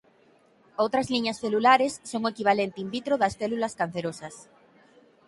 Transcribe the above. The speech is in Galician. Outras liñas celulares son o equivalente in vitro das células cancerosas.